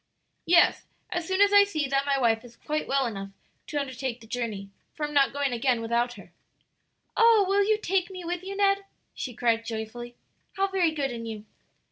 "Yes, as soon as I see that my wife is quite well enough to undertake the journey; for I'm not going again without her." "Oh, will you take me with you, Ned?" she cried joyfully. "How very good in you."